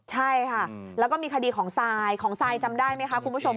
ใช่ค่ะแล้วก็มีคดีของซายของซายจำได้ไหมคะคุณผู้ชม